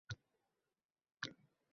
yoshlar va qimirlagan lablar pichirlab